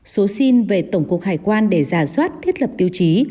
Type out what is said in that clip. số xin về tổng cục hải quan để giả soát thiết lập tiêu chí